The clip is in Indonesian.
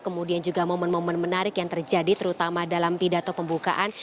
kemudian juga momen momen menarik yang terjadi terutama dalam pidato pembukaan